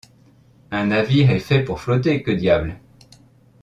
Un navire est fait pour flotter, que diable!